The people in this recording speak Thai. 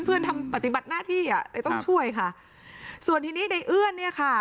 ทำปฏิบัติหน้าที่อ่ะเลยต้องช่วยค่ะส่วนทีนี้ในเอื้อนเนี่ยค่ะ